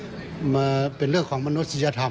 ช่วยให้สามารถสัมผัสถึงความเศร้าต่อการระลึกถึงผู้ที่จากไป